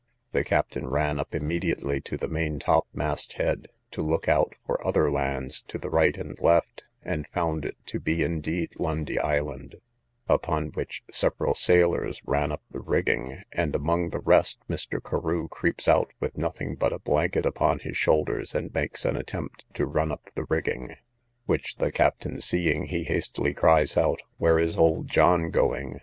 The captain ran up immediately to the main topmast head, to look out for other lands to the right and left, and found it to be indeed Lundy island; upon which several sailors ran up the rigging, and, among the rest, Mr. Carew creeps out with nothing but a blanket upon his shoulders, and makes an attempt to run up the rigging; which the captain seeing, he hastily cries out, where is old John going?